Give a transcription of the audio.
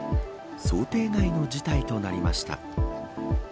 想定外の事態となりました。